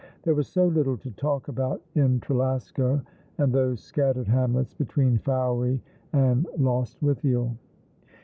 There was so little to talk about in Tre lasco and those scattered hamlets between Fowey and Lost withiel.